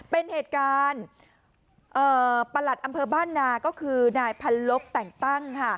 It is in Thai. เป็นเหตุการณ์ประหลัดอำเภอบ้านนาก็คือนายพันลบแต่งตั้งค่ะ